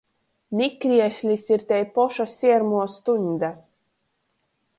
Mikrieslis ir tei poša siermuo stuņde.